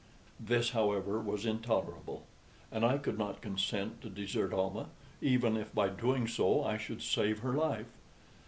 This, however, was intolerable; and I could not consent to desert Almah, even if by doing so I should save her life.